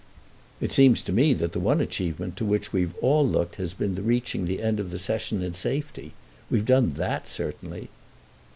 "It seems to me that the one achievement to which we've all looked has been the reaching the end of the Session in safety. We've done that certainly."